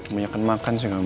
banyak yang makan sih kamu